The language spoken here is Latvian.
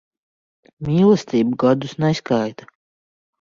Mīlestība gadus neskaita.